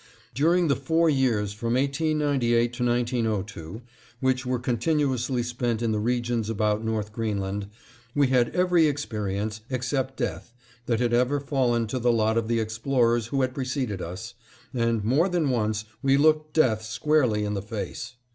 During the four years from 1898 to 1902, which were continuously spent in the regions about North Greenland, we had every experience, except death, that had ever fallen to the lot of the explorers who had preceded us, and more than once we looked death squarely in the face.